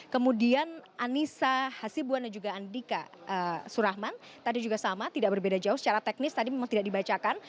kemudian anissa hasibuan dan juga andika surahman tadi juga sama tidak berbeda jauh secara teknis tadi memang tidak dibacakan